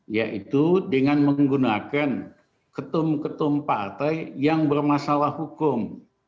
yaitu dengan menggunakan ketum ketum partai yang bermasalah hukum